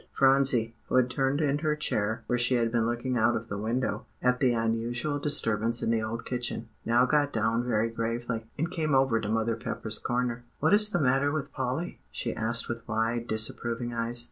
Phronsie, who had turned in her chair where she had been looking out of the window, at the unusual disturbance in the old kitchen, now got down very gravely, and came over to Mother Pepper's corner. "What is the matter with Polly?" she asked with wide, disapproving eyes.